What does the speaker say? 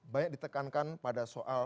banyak ditekankan pada soal